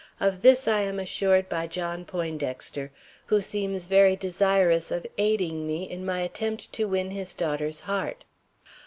Of this I am assured by John Poindexter, who seems very desirous of aiding me in my attempt to win his daughter's heart.